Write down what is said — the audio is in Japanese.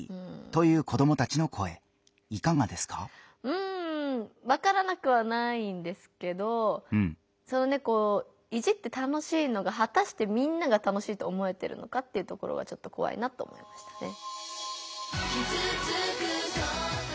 うんわからなくはないんですけどいじって楽しいのがはたしてみんなが楽しいと思えてるのかっていうところはちょっとこわいなと思いましたね。